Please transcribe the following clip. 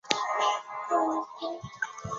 二硫代草酰胺是一种有机化合物。